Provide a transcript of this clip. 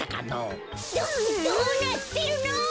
どどうなってるの！？